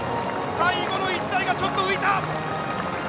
最後の１台がちょっと浮いた！